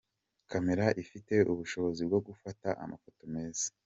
Camera ifite ubushobozi bwo gufata amafoto meza.